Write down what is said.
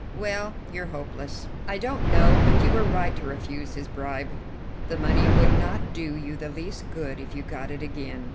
"Well, you're hopeless! I don't know but you were right to refuse his bribe. The money would not do you the least good if you got it again."